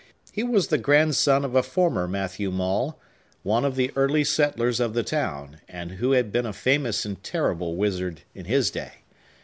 He was the grandson of a former Matthew Maule, one of the early settlers of the town, and who had been a famous and terrible wizard in his day.